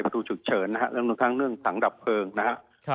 ดูฉุกเฉินนะครับเรื่องทั้งเรื่องถังดับเพลิงนะครับ